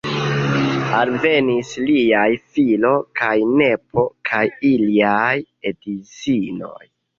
Alvenis liaj filo kaj nepo kaj iliaj edzinoj.